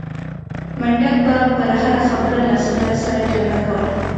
منډک به پر هره خبره له صدک سره جګړه کوله.